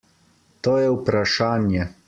To je vprašanje.